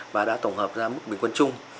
và đã tổng hợp ra mức bình quân chung